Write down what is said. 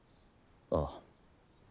ああ。